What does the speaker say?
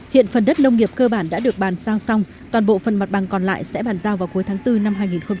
hiện phần đất nông nghiệp cơ bản đã được bàn sao xong toàn bộ phần mặt bằng còn lại sẽ bàn giao vào cuối tháng bốn năm hai nghìn hai mươi